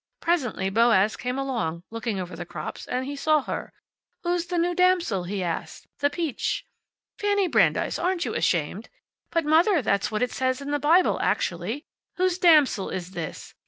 Presently Boaz came along, looking over the crops, and he saw her. `Who's the new damsel?' he asked. `The peach?'" "Fanny Brandeis, aren't you ashamed?" "But, Mother, that's what it says in the Bible, actually. `Whose damsel is this?'